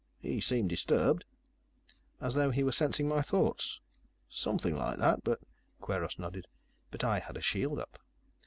"He seemed disturbed." "As though he were sensing my thoughts?" "Something like that. But " Kweiros nodded. "But I had a shield up.